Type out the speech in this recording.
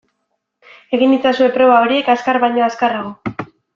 Egin itzazue proba horiek azkar baino azkarrago.